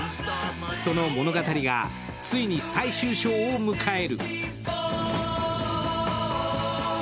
その物語が、ついに最終章を迎える。